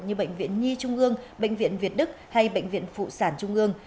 như bệnh viện nhi trung ương bệnh viện việt đức hay bệnh viện phụ sản trung ương